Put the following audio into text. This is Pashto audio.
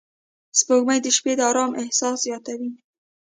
سپوږمۍ د شپې د آرامۍ احساس زیاتوي